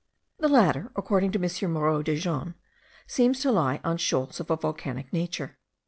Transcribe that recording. The latter, according to M. Moreau de Jonnes, seem to lie on shoals of a volcanic nature.